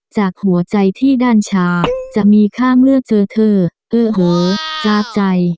จากหัวใจที่ด้านชาจะมีข้างเลือกเจอเธอโอ้โหจากใจ